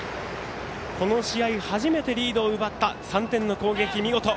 この試合、初めてリードを奪った３点の攻撃見事。